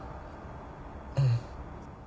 うん。